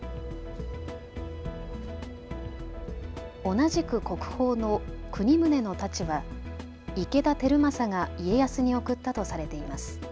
同じく国宝の国宗の太刀は池田輝政が家康に贈ったとされています。